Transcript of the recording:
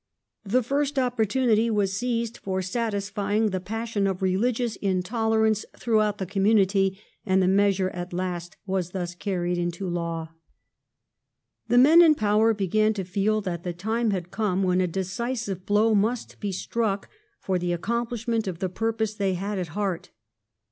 The first opportunity was seized for satisfying the passion of religious intolerance throughout the community, and the measure at last was thus carried into law. The men in power began to feel that the time had come when a decisive blow must be struck for the accomplishment of the purpose they had at heart.